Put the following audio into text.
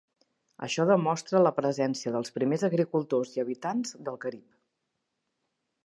Això demostra la presència dels primers agricultors i habitants del Carib.